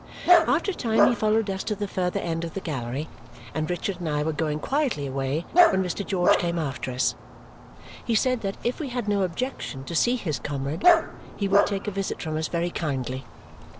After a time he followed us to the further end of the gallery, and Richard and I were going quietly away when Mr. George came after us. He said that if we had no objection to see his comrade, he would take a visit from us very kindly.